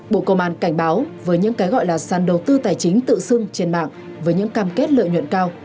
bộ công an cảnh báo với những cái gọi là sàn đầu tư tài chính tự xưng trên mạng với những cam kết lợi nhuận cao